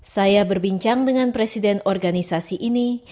saya berbincang dengan presiden organisasi ini